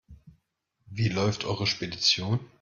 Wie läuft eure Spedition?